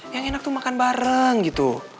yang enak tuh makan bareng gitu